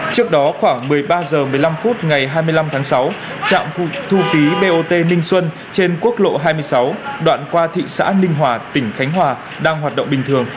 trước đó khoảng một mươi ba h một mươi năm phút ngày hai mươi năm tháng sáu trạm thu phí bot ninh xuân trên quốc lộ hai mươi sáu đoạn qua thị xã ninh hòa tỉnh khánh hòa đang hoạt động bình thường